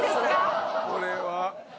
これは。